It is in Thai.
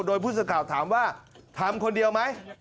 โดยผู้สื่อข่าวถามว่าทำคนเดียวไหม